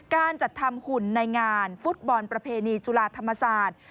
การจัดทำหุ่นในงานฟุตบอลประเพณีจุฬาธรรมศาสตร์